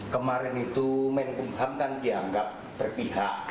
kemarin itu menkumham kan dianggap berpihak